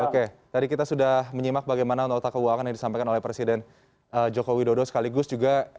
oke tadi kita sudah menyimak bagaimana nota keuangan yang disampaikan oleh presiden joko widodo sekaligus juga ruapbn tahun anggaran dua ribu dua puluh dua